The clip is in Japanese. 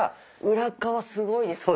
裏側すごいですね。